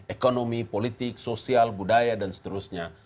ekonomi politik sosial budaya dan seterusnya